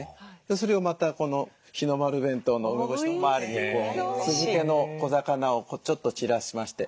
それをまたこの「日の丸弁当」の梅干しの周りに酢漬けの小魚をちょっと散らしまして。